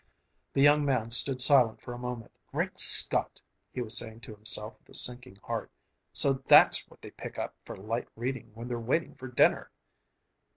The young man stood silent for a moment. "Great Scott!" he was saying to himself with a sinking heart. "So that's what they pick up for light reading, when they're waiting for dinner!"